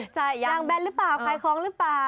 ใช่อย่างแบรนด์หรือเปล่าไขของหรือเปล่า